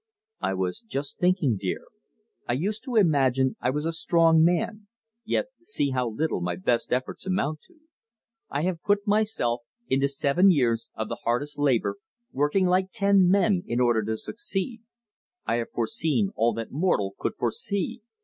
"I was just thinking, dear. I used to imagine I was a strong man, yet see how little my best efforts amount to. I have put myself into seven years of the hardest labor, working like ten men in order to succeed. I have foreseen all that mortal could foresee.